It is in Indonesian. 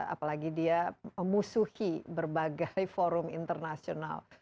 apalagi dia memusuhi berbagai forum internasional